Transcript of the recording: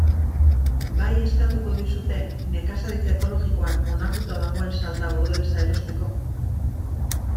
Bai eskatuko dizute nekazaritza ekologikoan onartuta dagoen salda bordelesa erosteko?